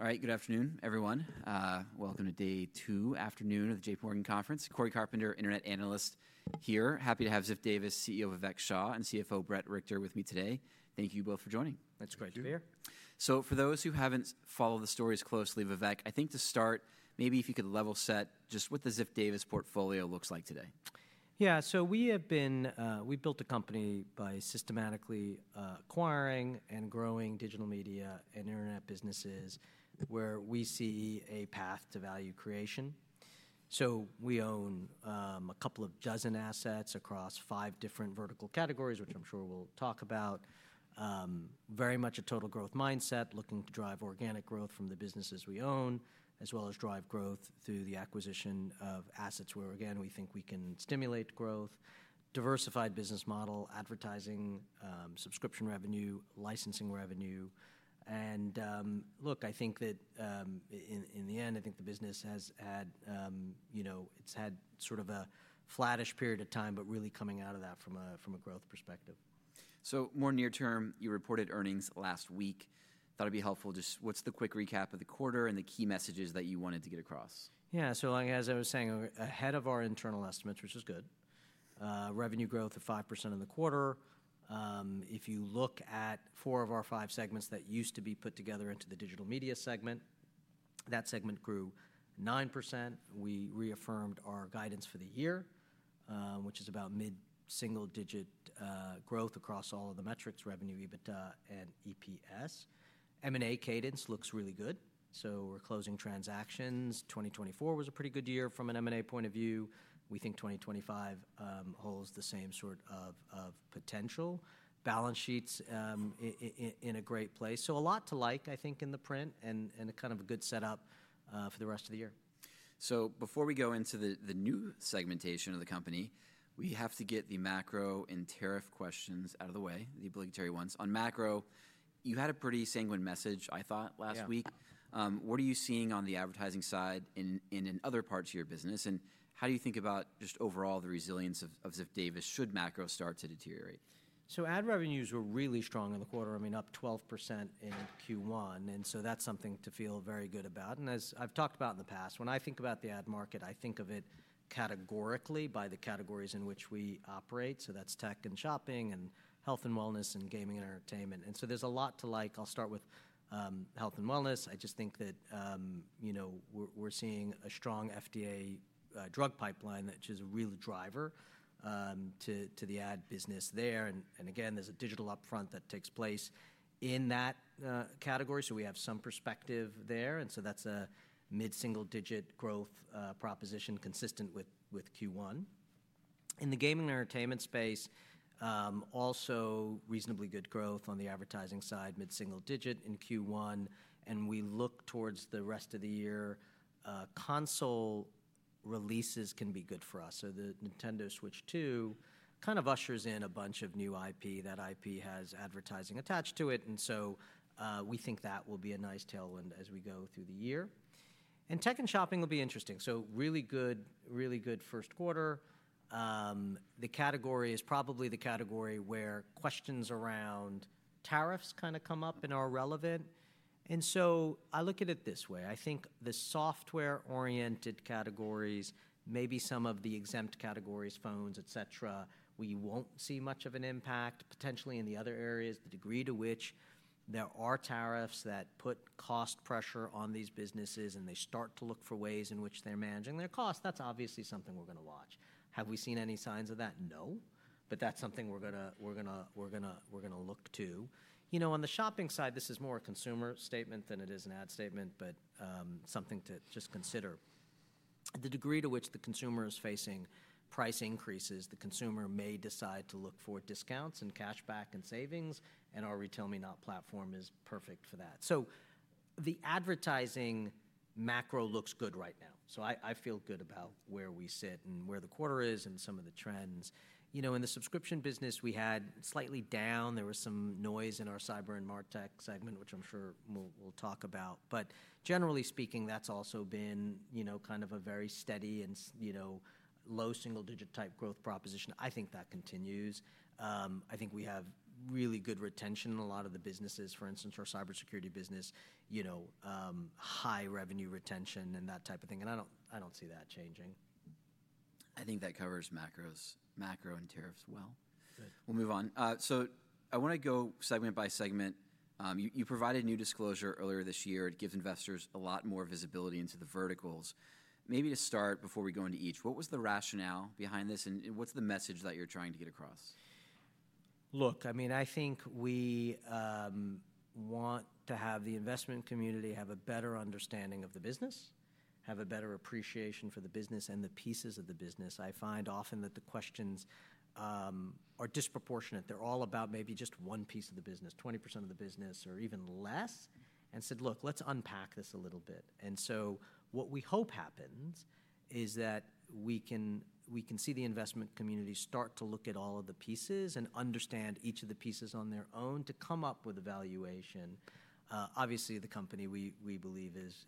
All right, good afternoon, everyone. Welcome to day two afternoon of the JPMorgan Conference. Cory Carpenter, Internet Analyst, here. Happy to have Ziff Davis, CEO Vivek Shah, and CFO Bret Richter with me today. Thank you both for joining. That's great to be here. For those who have not followed the stories closely, Vivek, I think to start, maybe if you could level set just what the Ziff Davis portfolio looks like today. Yeah, so we have been—we built a company by systematically acquiring and growing digital media and internet businesses where we see a path to value creation. We own a couple of dozen assets across five different vertical categories, which I'm sure we'll talk about. Very much a total growth mindset, looking to drive organic growth from the businesses we own, as well as drive growth through the acquisition of assets where, again, we think we can stimulate growth. Diversified business model: advertising, subscription revenue, licensing revenue. Look, I think that in the end, I think the business has had—you know, it's had sort of a flattish period of time, but really coming out of that from a growth perspective. More near-term, you reported earnings last week. Thought it'd be helpful. Just what's the quick recap of the quarter and the key messages that you wanted to get across? Yeah, so as I was saying, ahead of our internal estimates, which is good, revenue growth of 5% in the quarter. If you look at four of our five segments that used to be put together into the digital media segment, that segment grew 9%. We reaffirmed our guidance for the year, which is about mid-single-digit growth across all of the metrics: revenue, EBITDA, and EPS. M&A cadence looks really good. We are closing transactions. 2024 was a pretty good year from an M&A point of view. We think 2025 holds the same sort of potential. Balance sheet is in a great place. A lot to like, I think, in the print and kind of a good setup for the rest of the year. Before we go into the new segmentation of the company, we have to get the macro and tariff questions out of the way, the obligatory ones. On macro, you had a pretty sanguine message, I thought, last week. What are you seeing on the advertising side in other parts of your business, and how do you think about just overall the resilience of Ziff Davis should macro start to deteriorate? Ad revenues were really strong in the quarter. I mean, up 12% in Q1. That is something to feel very good about. As I have talked about in the past, when I think about the ad market, I think of it categorically by the categories in which we operate. That is tech and shopping and health and wellness and gaming and entertainment. There is a lot to like. I will start with health and wellness. I just think that, you know, we are seeing a strong FDA drug pipeline, which is a real driver to the ad business there. Again, there is a digital upfront that takes place in that category. We have some perspective there. That is a mid-single-digit growth proposition consistent with Q1. In the gaming and entertainment space, also reasonably good growth on the advertising side, mid-single digit in Q1. We look towards the rest of the year. Console releases can be good for us. The Nintendo Switch 2 kind of ushers in a bunch of new IP. That IP has advertising attached to it. We think that will be a nice tailwind as we go through the year. Tech and shopping will be interesting. Really good, really good first quarter. The category is probably the category where questions around tariffs kind of come up and are relevant. I look at it this way. I think the software-oriented categories, maybe some of the exempt categories, phones, et cetera, we will not see much of an impact. Potentially in the other areas, the degree to which there are tariffs that put cost pressure on these businesses and they start to look for ways in which they're managing their costs, that's obviously something we're going to watch. Have we seen any signs of that? No. That is something we're going to look to. You know, on the shopping side, this is more a consumer statement than it is an ad statement, but something to just consider. The degree to which the consumer is facing price increases, the consumer may decide to look for discounts and cashback and savings. And our RetailMeNot platform is perfect for that. The advertising macro looks good right now. I feel good about where we sit and where the quarter is and some of the trends. You know, in the subscription business, we had slightly down. There was some noise in our cyber and MarTech segment, which I'm sure we'll talk about. Generally speaking, that's also been, you know, kind of a very steady and, you know, low single-digit type growth proposition. I think that continues. I think we have really good retention in a lot of the businesses. For instance, our cybersecurity business, you know, high revenue retention and that type of thing. I do not see that changing. I think that covers macros, macro and tariffs well. We'll move on. I want to go segment by segment. You provided a new disclosure earlier this year. It gives investors a lot more visibility into the verticals. Maybe to start, before we go into each, what was the rationale behind this and what's the message that you're trying to get across? Look, I mean, I think we want to have the investment community have a better understanding of the business, have a better appreciation for the business and the pieces of the business. I find often that the questions are disproportionate. They're all about maybe just one piece of the business, 20% of the business or even less. I said, look, let's unpack this a little bit. What we hope happens is that we can see the investment community start to look at all of the pieces and understand each of the pieces on their own to come up with a valuation. Obviously, the company we believe is,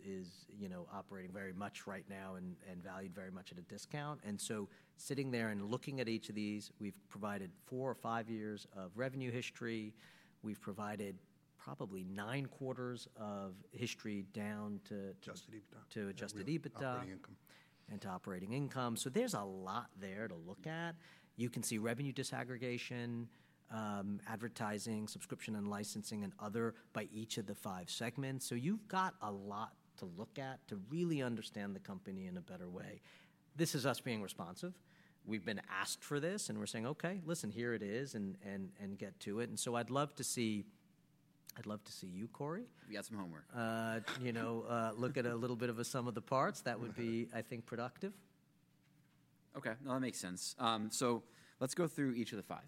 you know, operating very much right now and valued very much at a discount. Sitting there and looking at each of these, we've provided four or five years of revenue history. We've provided probably nine quarters of history down to. Adjusted EBITDA. To adjusted EBITDA. Operating income. To operating income. There is a lot there to look at. You can see revenue disaggregation, advertising, subscription and licensing, and other by each of the five segments. You have a lot to look at to really understand the company in a better way. This is us being responsive. We have been asked for this and we are saying, okay, listen, here it is and get to it. I would love to see—I would love to see you, Cory. We got some homework. You know, look at a little bit of a sum of the parts. That would be, I think, productive. Okay. No, that makes sense. Let's go through each of the five.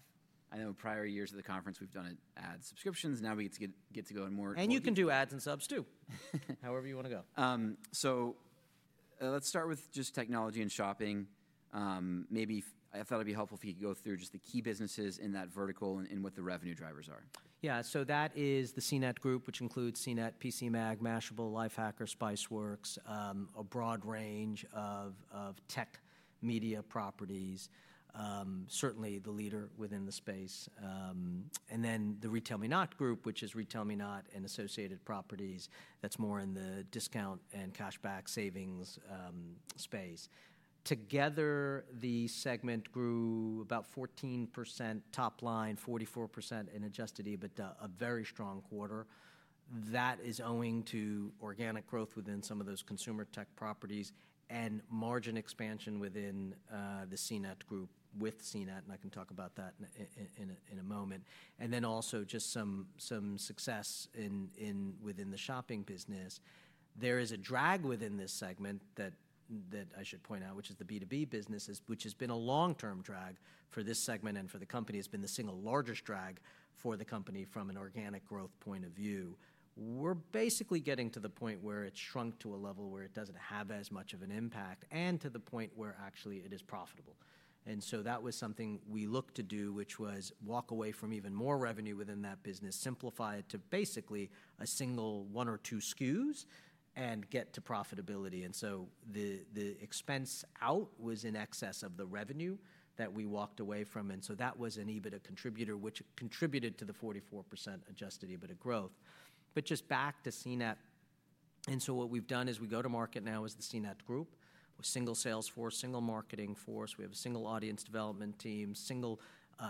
I know prior years of the conference, we've done ad subscriptions. Now we get to go in more— You can do ads and subs too, however you want to go. Let's start with just technology and shopping. Maybe I thought it'd be helpful if you could go through just the key businesses in that vertical and what the revenue drivers are. Yeah, so that is the CNET Group, which includes CNET, PCMag, Mashable, Lifehacker, Spiceworks, a broad range of tech media properties. Certainly the leader within the space. The RetailMeNot group, which is RetailMeNot and associated properties, is more in the discount and cashback savings space. Together, the segment grew about 14% top line, 44% in adjusted EBITDA, a very strong quarter. That is owing to organic growth within some of those consumer tech properties and margin expansion within the CNET Group with CNET. I can talk about that in a moment. There is also just some success within the shopping business. There is a drag within this segment that I should point out, which is the B2B businesses, which has been a long-term drag for this segment and for the company. It's been the single largest drag for the company from an organic growth point of view. We're basically getting to the point where it's shrunk to a level where it doesn't have as much of an impact and to the point where actually it is profitable. That was something we looked to do, which was walk away from even more revenue within that business, simplify it to basically a single one or two SKUs and get to profitability. The expense out was in excess of the revenue that we walked away from. That was an EBITDA contributor, which contributed to the 44% adjusted EBITDA growth. Just back to CNET. What we've done is we go to market now as the CNET Group with single sales force, single marketing force. We have a single audience development team, single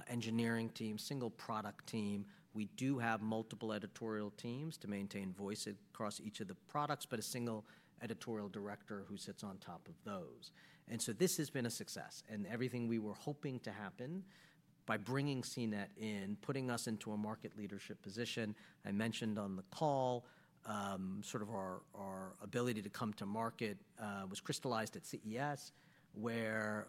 engineering team, single product team. We do have multiple editorial teams to maintain voice across each of the products, but a single editorial director who sits on top of those. This has been a success. Everything we were hoping to happen by bringing CNET in, putting us into a market leadership position. I mentioned on the call, sort of our ability to come to market was crystallized at CES, where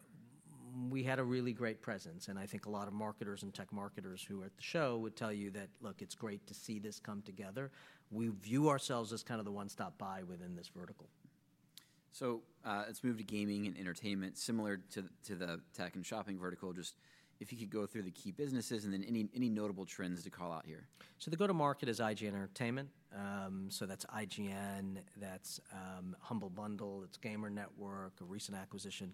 we had a really great presence. I think a lot of marketers and tech marketers who are at the show would tell you that, look, it's great to see this come together. We view ourselves as kind of the one-stop buy within this vertical. Let's move to gaming and entertainment, similar to the tech and shopping vertical. Just if you could go through the key businesses and then any notable trends to call out here. The go-to-market is IGN Entertainment. That's IGN, that's Humble Bundle, that's Gamer Network, a recent acquisition,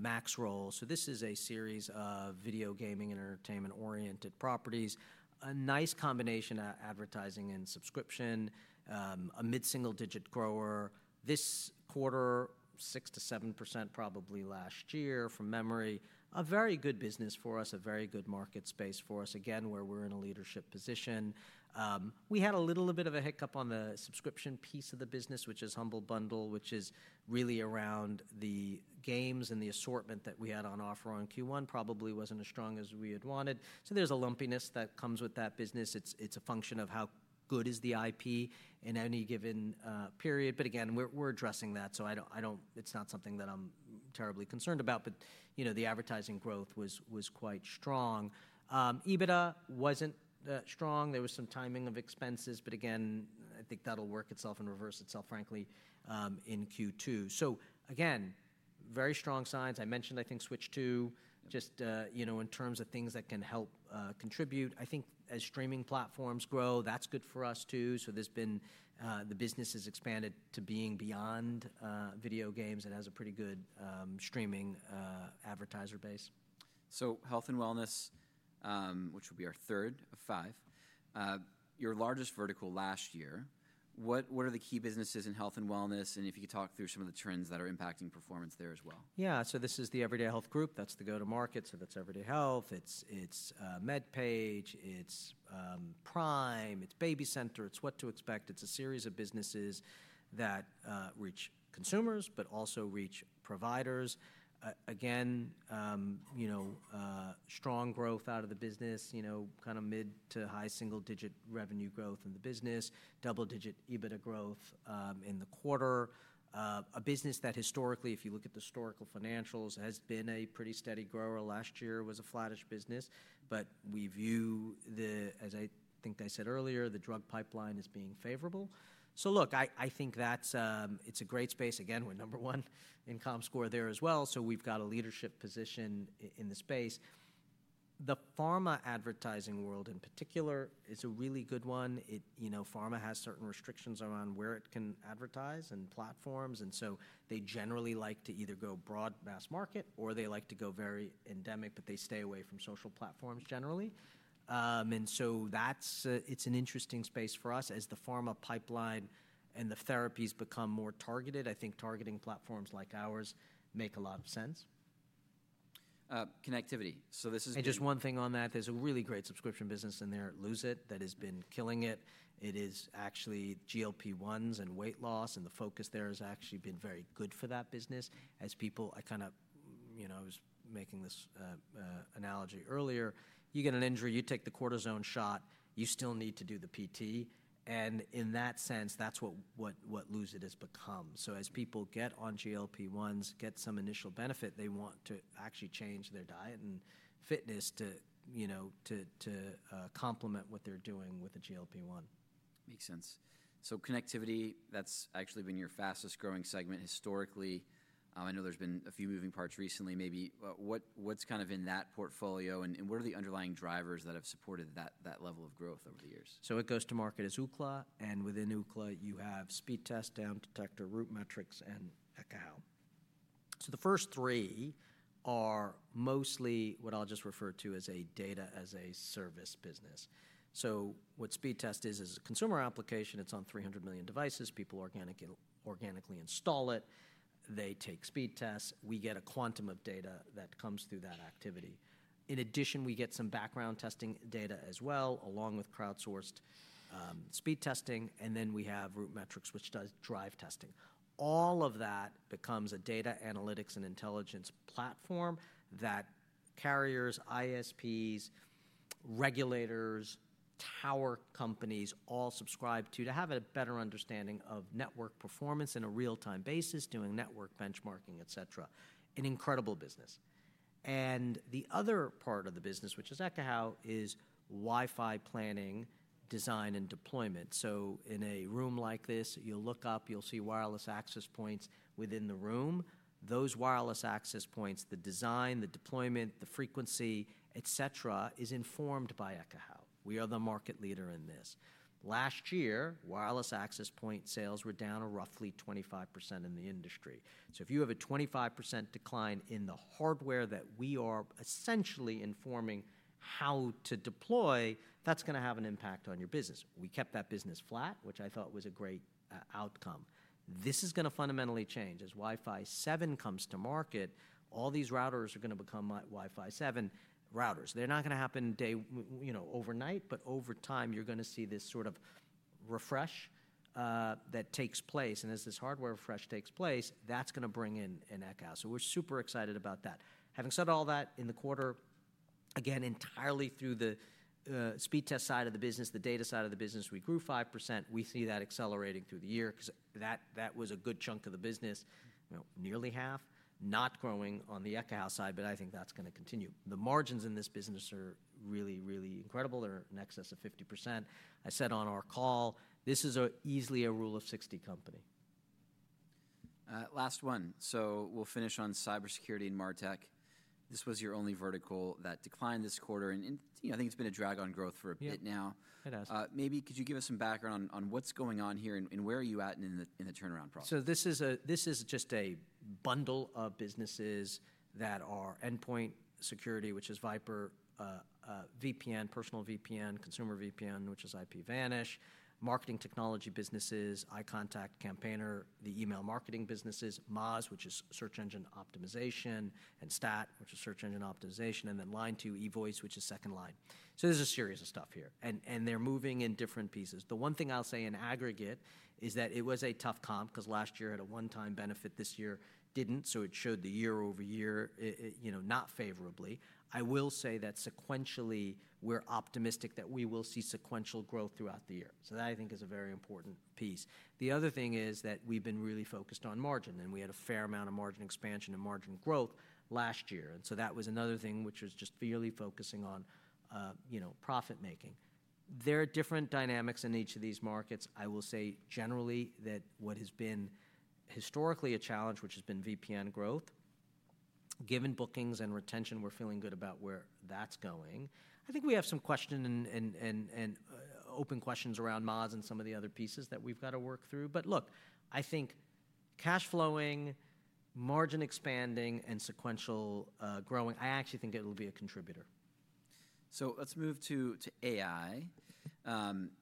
Maxroll. This is a series of video gaming and entertainment-oriented properties. A nice combination of advertising and subscription, a mid-single digit grower. This quarter, 6%-7% probably last year from memory. A very good business for us, a very good market space for us, again, where we're in a leadership position. We had a little bit of a hiccup on the subscription piece of the business, which is Humble Bundle, which is really around the games and the assortment that we had on offer on Q1. Probably was not as strong as we had wanted. There's a lumpiness that comes with that business. It's a function of how good is the IP in any given period. Again, we're addressing that. I do not—it's not something that I'm terribly concerned about. You know, the advertising growth was quite strong. EBITDA was not strong. There was some timing of expenses. Again, I think that will work itself and reverse itself, frankly, in Q2. Again, very strong signs. I mentioned, I think, Switch 2, just, you know, in terms of things that can help contribute. I think as streaming platforms grow, that is good for us too. There has been—the business has expanded to being beyond video games and has a pretty good streaming advertiser base. Health and wellness, which will be our third of five, your largest vertical last year, what are the key businesses in health and wellness? And if you could talk through some of the trends that are impacting performance there as well. Yeah, so this is the Everyday Health Group. That's the go-to-market. So that's Everyday Health. It's MedPage. It's Prime. It's BabyCenter. It's What to Expect. It's a series of businesses that reach consumers, but also reach providers. Again, you know, strong growth out of the business, you know, kind of mid to high single-digit revenue growth in the business, double-digit EBITDA growth in the quarter. A business that historically, if you look at the historical financials, has been a pretty steady grower. Last year was a flattish business. We view the, as I think I said earlier, the drug pipeline as being favorable. Look, I think that's a great space. Again, we're number one in com score there as well. We've got a leadership position in the space. The pharma advertising world in particular is a really good one. You know, pharma has certain restrictions around where it can advertise and platforms. They generally like to either go broad mass market or they like to go very endemic, but they stay away from social platforms generally. That is an interesting space for us as the pharma pipeline and the therapies become more targeted. I think targeting platforms like ours make a lot of sense. Connectivity. This is. Just one thing on that. There is a really great subscription business in there, Lose It, that has been killing it. It is actually GLP-1s and weight loss. The focus there has actually been very good for that business. As people—I kind of, you know, I was making this analogy earlier. You get an injury, you take the cortisone shot, you still need to do the PT. In that sense, that is what Lose It has become. As people get on GLP-1s, get some initial benefit, they want to actually change their diet and fitness to, you know, to complement what they are doing with a GLP-1. Makes sense. So connectivity, that's actually been your fastest growing segment historically. I know there's been a few moving parts recently, maybe. What's kind of in that portfolio and what are the underlying drivers that have supported that level of growth over the years? It goes to market as Ookla. And within Ookla, you have Speedtest, Down Detector, Root Metrics, and Ekahau. The first three are mostly what I'll just refer to as a data as a service business. What Speedtest is, is a consumer application. It's on 300 million devices. People organically install it. They take speed test. We get a quantum of data that comes through that activity. In addition, we get some background testing data as well, along with crowdsourced speed testing. Then we have Root Metrics, which does drive testing. All of that becomes a data analytics and intelligence platform that carriers, ISPs, regulators, tower companies all subscribe to, to have a better understanding of network performance on a real-time basis, doing network benchmarking, et cetera. An incredible business. The other part of the business, which is Ekahau, is Wi-Fi planning, design, and deployment. In a room like this, you'll look up, you'll see wireless access points within the room. Those wireless access points, the design, the deployment, the frequency, et cetera, is informed by Ekahau. We are the market leader in this. Last year, wireless access point sales were down roughly 25% in the industry. If you have a 25% decline in the hardware that we are essentially informing how to deploy, that's going to have an impact on your business. We kept that business flat, which I thought was a great outcome. This is going to fundamentally change. As Wi-Fi 7 comes to market, all these routers are going to become Wi-Fi 7 routers. They're not going to happen overnight, but over time, you're going to see this sort of refresh that takes place. As this hardware refresh takes place, that's going to bring in an Ekahau. We're super excited about that. Having said all that, in the quarter, again, entirely through the Speedtest side of the business, the data side of the business, we grew 5%. We see that accelerating through the year because that was a good chunk of the business, nearly half, not growing on the Ekahau side, but I think that's going to continue. The margins in this business are really, really incredible. They're in excess of 50%. I said on our call, this is easily a rule of 60 company. Last one. We'll finish on cybersecurity and MarTech. This was your only vertical that declined this quarter. And you know, I think it's been a drag on growth for a bit now. It has. Maybe could you give us some background on what's going on here and where are you at in the turnaround process? This is just a bundle of businesses that are endpoint security, which is Viper, VPN, personal VPN, consumer VPN, which is IPVanish, marketing technology businesses, iContact, Campaigner, the email marketing businesses, Moz, which is search engine optimization, and Stat, which is search engine optimization, and then Line2, eVoice, which is second line. There is a series of stuff here. They are moving in different pieces. The one thing I'll say in aggregate is that it was a tough comp because last year had a one-time benefit. This year did not. It showed the year over year, you know, not favorably. I will say that sequentially, we're optimistic that we will see sequential growth throughout the year. That I think is a very important piece. The other thing is that we've been really focused on margin. We had a fair amount of margin expansion and margin growth last year. That was another thing, which was just merely focusing on, you know, profit making. There are different dynamics in each of these markets. I will say generally that what has been historically a challenge, which has been VPN growth, given bookings and retention, we're feeling good about where that's going. I think we have some questions and open questions around Moz and some of the other pieces that we've got to work through. Look, I think cash flowing, margin expanding, and sequential growing, I actually think it will be a contributor. Let's move to AI.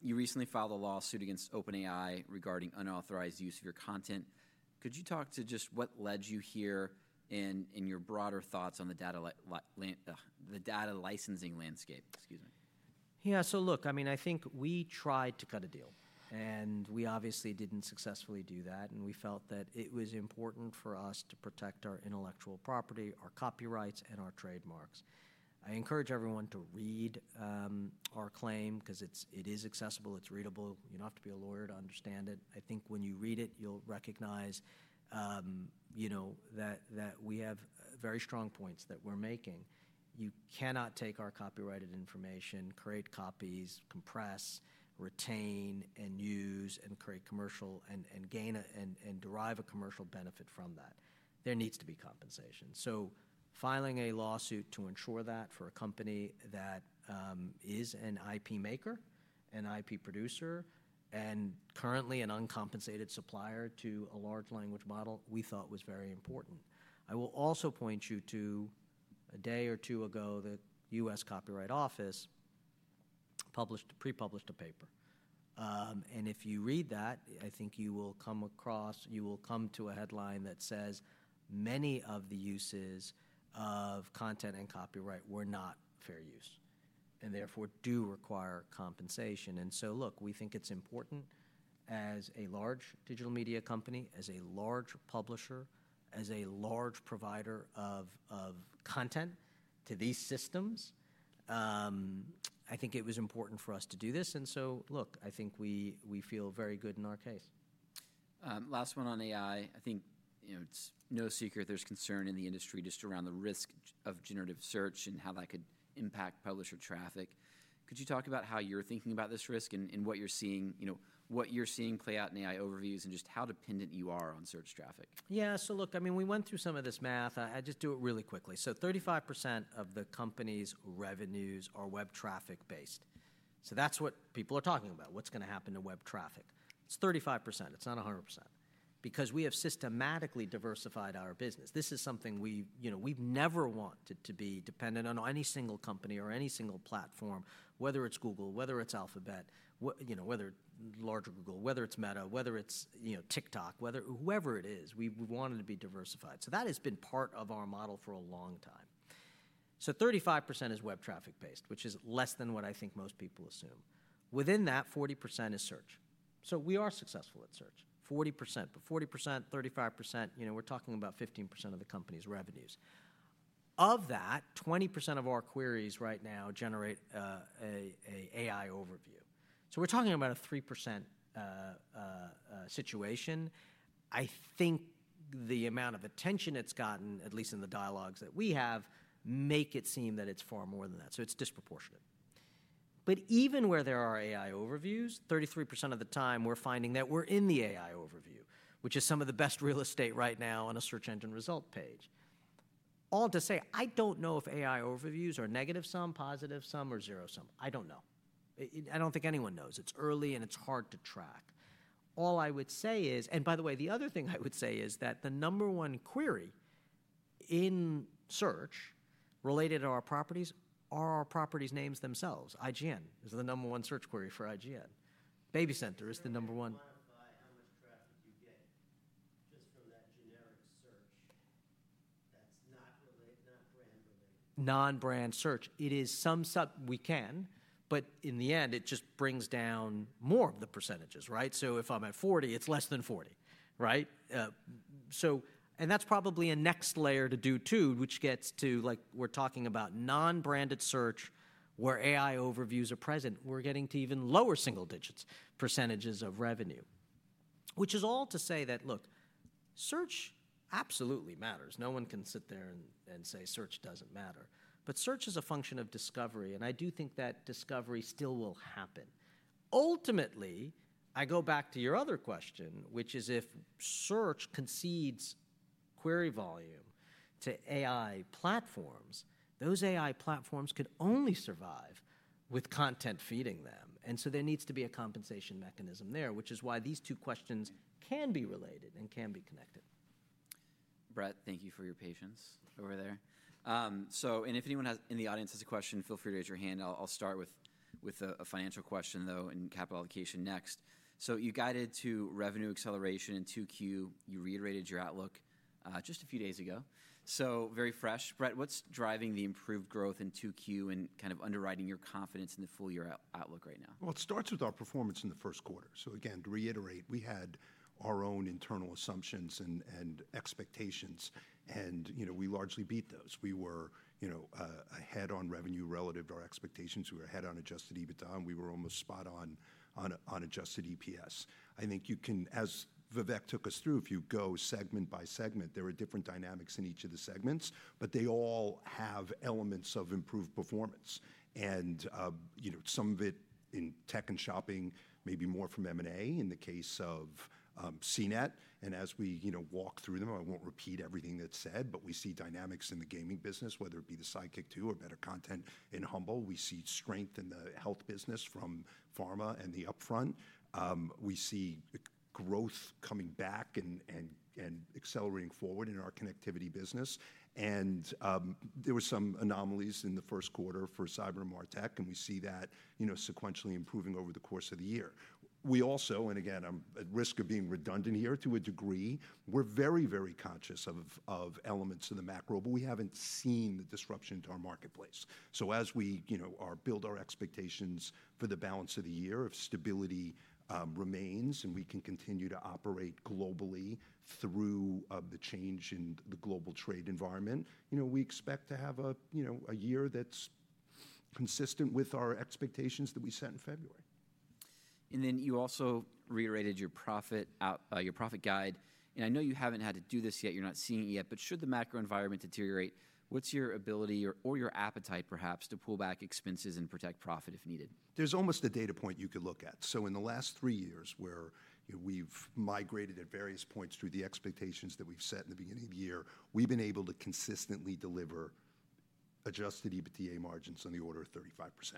You recently filed a lawsuit against OpenAI regarding unauthorized use of your content. Could you talk to just what led you here and your broader thoughts on the data licensing landscape? Excuse me. Yeah. So look, I mean, I think we tried to cut a deal. And we obviously did not successfully do that. And we felt that it was important for us to protect our intellectual property, our copyrights, and our trademarks. I encourage everyone to read our claim because it is accessible. It is readable. You do not have to be a lawyer to understand it. I think when you read it, you will recognize, you know, that we have very strong points that we are making. You cannot take our copyrighted information, create copies, compress, retain, and use, and create commercial, and gain and derive a commercial benefit from that. There needs to be compensation. Filing a lawsuit to ensure that for a company that is an IP maker, an IP producer, and currently an uncompensated supplier to a large language model, we thought was very important. I will also point you to a day or two ago that the U.S. Copyright Office pre-published a paper. If you read that, I think you will come across, you will come to a headline that says many of the uses of content and copyright were not fair use and therefore do require compensation. Look, we think it is important as a large digital media company, as a large publisher, as a large provider of content to these systems. I think it was important for us to do this. Look, I think we feel very good in our case. Last one on AI. I think, you know, it's no secret there's concern in the industry just around the risk of generative search and how that could impact publisher traffic. Could you talk about how you're thinking about this risk and what you're seeing, you know, what you're seeing play out in AI overviews and just how dependent you are on search traffic? Yeah. So look, I mean, we went through some of this math. I just do it really quickly. So 35% of the company's revenues are web traffic based. So that's what people are talking about. What's going to happen to web traffic? It's 35%. It's not 100%. Because we have systematically diversified our business. This is something we, you know, we've never wanted to be dependent on any single company or any single platform, whether it's Google, whether it's Alphabet, you know, whether it's larger Google, whether it's Meta, whether it's, you know, TikTok, whether whoever it is, we wanted to be diversified. That has been part of our model for a long time. So 35% is web traffic based, which is less than what I think most people assume. Within that, 40% is search. So we are successful at search. 40%, but 40%, 35%, you know, we're talking about 15% of the company's revenues. Of that, 20% of our queries right now generate an AI overview. So we're talking about a 3% situation. I think the amount of attention it's gotten, at least in the dialogues that we have, makes it seem that it's far more than that. It is disproportionate. Even where there are AI overviews, 33% of the time we're finding that we're in the AI overview, which is some of the best real estate right now on a search engine result page. All to say, I don't know if AI overviews are negative sum, positive sum, or zero sum. I don't know. I don't think anyone knows. It's early and it's hard to track. All I would say is, and by the way, the other thing I would say is that the number one query in search related to our properties are our properties' names themselves. IGN is the number one search query for IGN. BabyCenter is the number one. How much traffic do you get just from that generic search that's not brand related? Non-brand search. It is some we can, but in the end, it just brings down more of the percentages, right? If I'm at 40%, it's less than 40%, right? That is probably a next layer to do too, which gets to, like, we're talking about non-branded search where AI overviews are present. We're getting to even lower single-digit percentages of revenue, which is all to say that, look, search absolutely matters. No one can sit there and say search doesn't matter. Search is a function of discovery. I do think that discovery still will happen. Ultimately, I go back to your other question, which is if search concedes query volume to AI platforms, those AI platforms could only survive with content feeding them. There needs to be a compensation mechanism there, which is why these two questions can be related and can be connected. Bret, thank you for your patience over there. If anyone in the audience has a question, feel free to raise your hand. I'll start with a financial question, though, and capital allocation next. You guided to revenue acceleration in 2Q. You reiterated your outlook just a few days ago. Very fresh. Bret, what's driving the improved growth in 2Q and kind of underwriting your confidence in the full year outlook right now? It starts with our performance in the first quarter. Again, to reiterate, we had our own internal assumptions and expectations. You know, we largely beat those. We were, you know, ahead on revenue relative to our expectations. We were ahead on adjusted EBITDA. We were almost spot on on adjusted EPS. I think you can, as Vivek took us through, if you go segment by segment, there are different dynamics in each of the segments, but they all have elements of improved performance. You know, some of it in tech and shopping, maybe more from M&A in the case of CNET. As we, you know, walk through them, I will not repeat everything that is said, but we see dynamics in the gaming business, whether it be the Sidekick 2 or better content in Humble. We see strength in the health business from pharma and the upfront. We see growth coming back and accelerating forward in our connectivity business. There were some anomalies in the first quarter for Cyber and MarTech. We see that, you know, sequentially improving over the course of the year. We also, and again, I'm at risk of being redundant here to a degree, are very, very conscious of elements of the macro, but we haven't seen the disruption to our marketplace. As we, you know, build our expectations for the balance of the year, if stability remains and we can continue to operate globally through the change in the global trade environment, you know, we expect to have a, you know, a year that's consistent with our expectations that we set in February. You also reiterated your profit guide. I know you haven't had to do this yet. You're not seeing it yet. Should the macro environment deteriorate, what's your ability or your appetite, perhaps, to pull back expenses and protect profit if needed? There's almost a data point you could look at. In the last three years where we've migrated at various points through the expectations that we've set in the beginning of the year, we've been able to consistently deliver adjusted EBITDA margins on the order of 35%.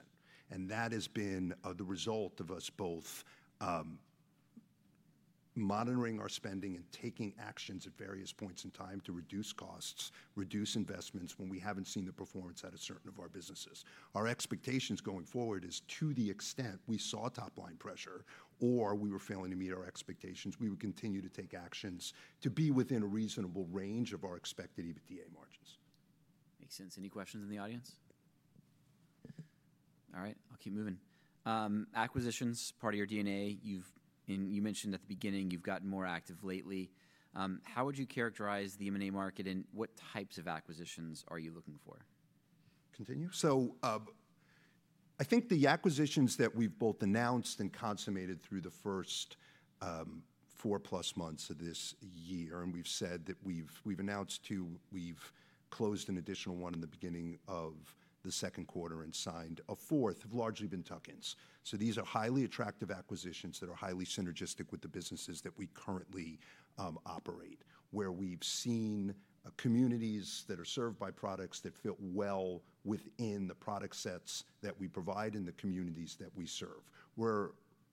That has been the result of us both monitoring our spending and taking actions at various points in time to reduce costs, reduce investments when we haven't seen the performance at a certain of our businesses. Our expectations going forward is to the extent we saw top-line pressure or we were failing to meet our expectations, we would continue to take actions to be within a reasonable range of our expected EBITDA margins. Makes sense. Any questions in the audience? All right. I'll keep moving. Acquisitions, part of your DNA. You've, and you mentioned at the beginning, you've gotten more active lately. How would you characterize the M&A market and what types of acquisitions are you looking for? Continue. I think the acquisitions that we've both announced and consummated through the first 4+ months of this year, and we've said that we've announced two, we've closed an additional one in the beginning of the second quarter and signed a fourth, have largely been tuck-ins. These are highly attractive acquisitions that are highly synergistic with the businesses that we currently operate, where we've seen communities that are served by products that fit well within the product sets that we provide in the communities that we serve. We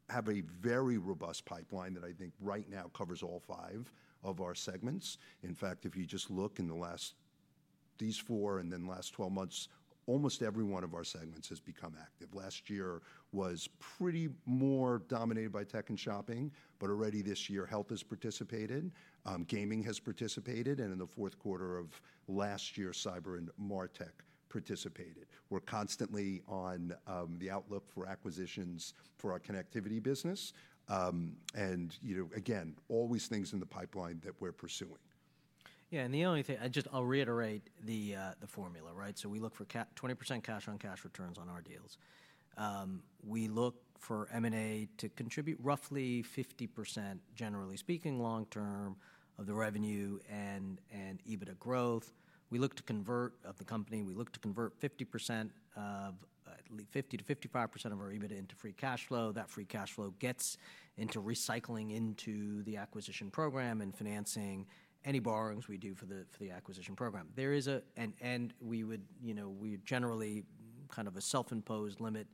have a very robust pipeline that I think right now covers all five of our segments. In fact, if you just look in the last, these four months and then last 12 months, almost every one of our segments has become active. Last year was pretty more dominated by tech and shopping, but already this year, health has participated, gaming has participated, and in the fourth quarter of last year, cyber and MarTech participated. We are constantly on the outlook for acquisitions for our connectivity business. And, you know, again, all these things in the pipeline that we are pursuing. Yeah. The only thing, I just, I'll reiterate the formula, right? We look for 20% cash on cash returns on our deals. We look for M&A to contribute roughly 50%, generally speaking, long-term, of the revenue and EBITDA growth. We look to convert 50%-55% of our EBITDA into free cash flow. That free cash flow gets into recycling into the acquisition program and financing any borrowings we do for the acquisition program. There is a, and we would, you know, we generally kind of a self-imposed limit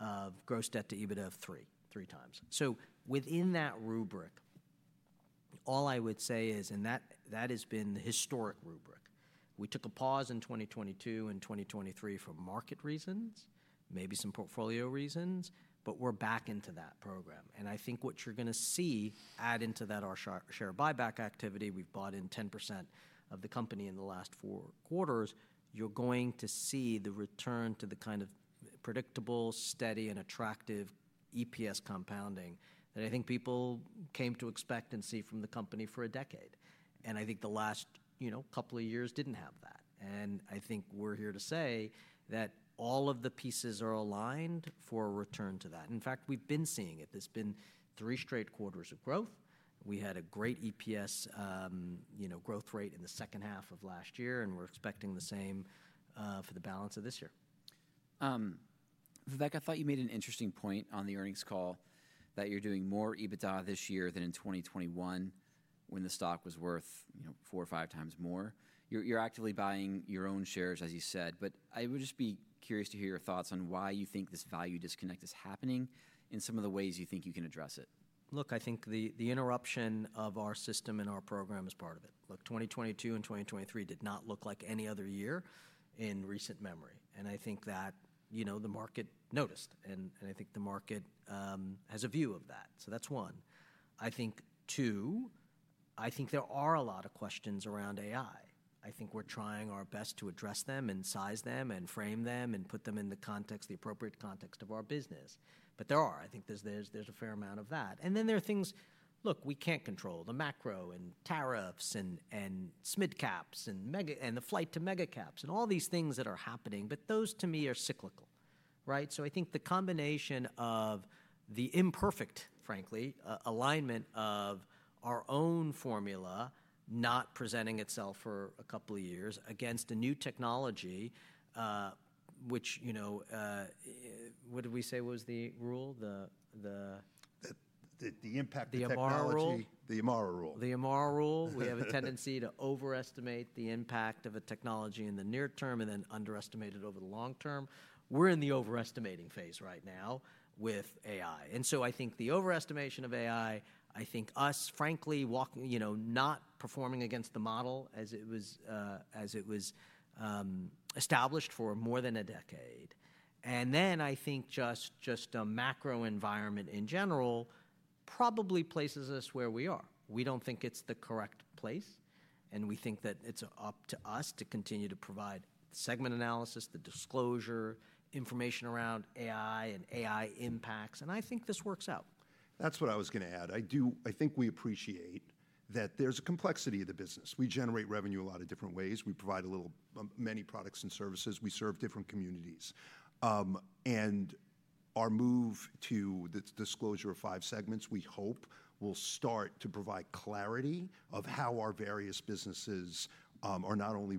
of gross debt to EBITDA of 3x. Within that rubric, all I would say is, and that has been the historic rubric. We took a pause in 2022 and 2023 for market reasons, maybe some portfolio reasons, but we're back into that program. I think what you're going to see add into that our share buyback activity. We've bought in 10% of the company in the last four quarters. You're going to see the return to the kind of predictable, steady, and attractive EPS compounding that I think people came to expect and see from the company for a decade. I think the last, you know, couple of years didn't have that. I think we're here to say that all of the pieces are aligned for a return to that. In fact, we've been seeing it. There's been three straight quarters of growth. We had a great EPS, you know, growth rate in the second half of last year, and we're expecting the same for the balance of this year. Vivek, I thought you made an interesting point on the earnings call that you're doing more EBITDA this year than in 2021 when the stock was worth, you know, 4x or 5x times more. You're actively buying your own shares, as you said. I would just be curious to hear your thoughts on why you think this value disconnect is happening and some of the ways you think you can address it. Look, I think the interruption of our system and our program is part of it. Look, 2022 and 2023 did not look like any other year in recent memory. And I think that, you know, the market noticed, and I think the market has a view of that. So that's one. I think, two, I think there are a lot of questions around AI. I think we're trying our best to address them and size them and frame them and put them in the context, the appropriate context of our business. But there are, I think there's a fair amount of that. And then there are things, look, we can't control the macro and tariffs and SMID caps and the flight to mega caps and all these things that are happening, but those to me are cyclical, right? I think the combination of the imperfect, frankly, alignment of our own formula not presenting itself for a couple of years against a new technology, which, you know, what did we say was the rule? The. The impact of technology. The Amara rule. The Amara rule. The Amara rule. We have a tendency to overestimate the impact of a technology in the near term and then underestimate it over the long term. We're in the overestimating phase right now with AI. I think the overestimation of AI, I think us, frankly, walking, you know, not performing against the model as it was established for more than a decade. I think just a macro environment in general probably places us where we are. We don't think it's the correct place. We think that it's up to us to continue to provide segment analysis, the disclosure information around AI and AI impacts. I think this works out. That's what I was going to add. I do, I think we appreciate that there's a complexity of the business. We generate revenue a lot of different ways. We provide a little, many products and services. We serve different communities. Our move to the disclosure of five segments, we hope will start to provide clarity of how our various businesses are not only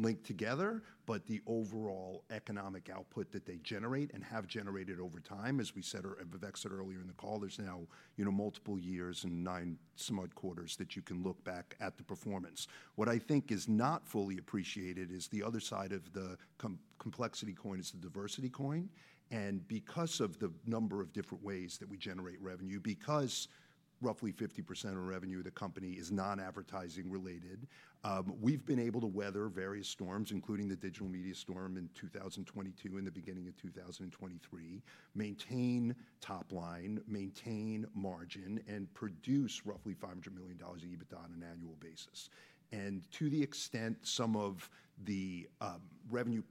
linked together, but the overall economic output that they generate and have generated over time. As we said, Vivek said earlier in the call, there's now, you know, multiple years and nine smart quarters that you can look back at the performance. What I think is not fully appreciated is the other side of the complexity coin is the diversity coin. Because of the number of different ways that we generate revenue, because roughly 50% of revenue of the company is non-advertising related, we have been able to weather various storms, including the digital media storm in 2022 and the beginning of 2023, maintain top line, maintain margin, and produce roughly $500 million in EBITDA on an annual basis. To the extent some of the revenue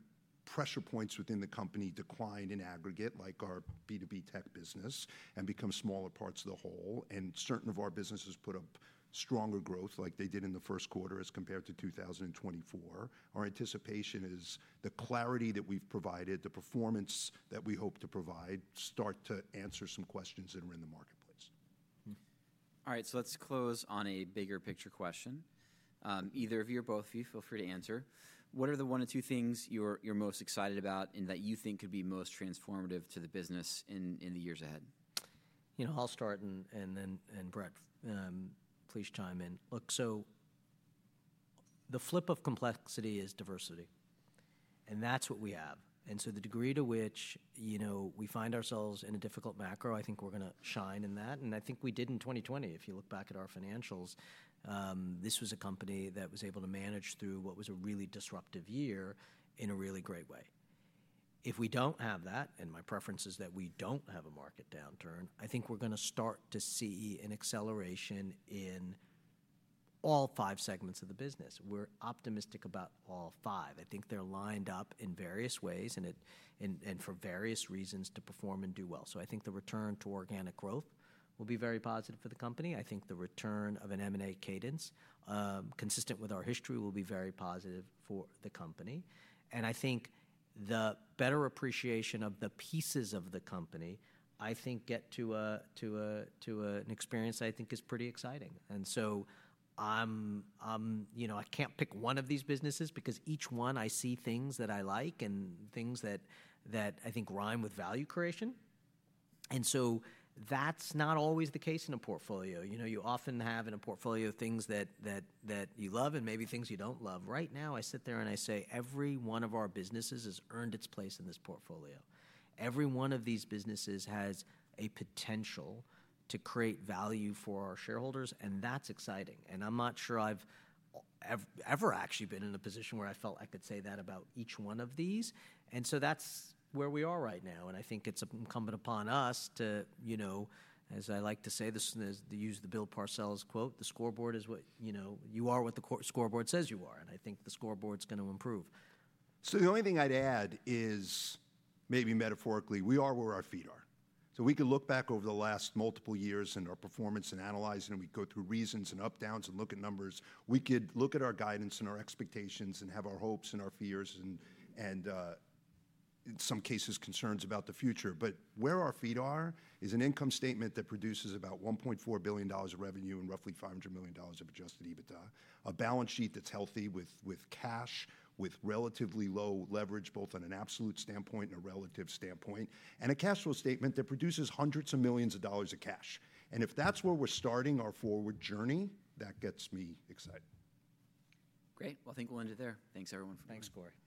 pressure points within the company declined in aggregate, like our B2B tech business, and become smaller parts of the whole, and certain of our businesses put up stronger growth like they did in the first quarter as compared to 2024, our anticipation is the clarity that we have provided, the performance that we hope to provide, start to answer some questions that are in the marketplace. All right. So let's close on a bigger picture question. Either of you or both of you, feel free to answer. What are the one or two things you're most excited about and that you think could be most transformative to the business in the years ahead? You know, I'll start and then, and Bret, please chime in. Look, the flip of complexity is diversity. And that's what we have. The degree to which, you know, we find ourselves in a difficult macro, I think we're going to shine in that. I think we did in 2020. If you look back at our financials, this was a company that was able to manage through what was a really disruptive year in a really great way. If we do not have that, and my preference is that we do not have a market downturn, I think we're going to start to see an acceleration in all five segments of the business. We're optimistic about all five. I think they're lined up in various ways and for various reasons to perform and do well. I think the return to organic growth will be very positive for the company. I think the return of an M&A cadence consistent with our history will be very positive for the company. I think the better appreciation of the pieces of the company, I think get to an experience I think is pretty exciting. I'm, you know, I can't pick one of these businesses because each one I see things that I like and things that I think rhyme with value creation. That's not always the case in a portfolio. You know, you often have in a portfolio things that you love and maybe things you don't love. Right now, I sit there and I say every one of our businesses has earned its place in this portfolio. Every one of these businesses has a potential to create value for our shareholders. That's exciting. I'm not sure I've ever actually been in a position where I felt I could say that about each one of these. That's where we are right now. I think it's incumbent upon us to, you know, as I like to say this, use the Bill Parcells quote, "The scoreboard is what, you know, you are what the scoreboard says you are." I think the scoreboard's going to improve. The only thing I'd add is maybe metaphorically, we are where our feet are. We could look back over the last multiple years and our performance and analyze it, and we'd go through reasons and up-downs and look at numbers. We could look at our guidance and our expectations and have our hopes and our fears and in some cases, concerns about the future. Where our feet are is an income statement that produces about $1.4 billion of revenue and roughly $500 million of adjusted EBITDA, a balance sheet that's healthy with cash, with relatively low leverage, both on an absolute standpoint and a relative standpoint, and a cash flow statement that produces hundreds of millions of dollars of cash. If that's where we're starting our forward journey, that gets me excited. Great. I think we'll end it there. Thanks, everyone. Thanks Cory.